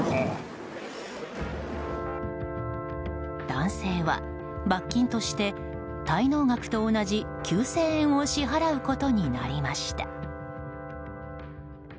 男性は罰金として滞納額と同じ９０００円を支払うことになりました。